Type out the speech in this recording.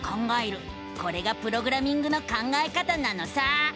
これがプログラミングの考え方なのさ！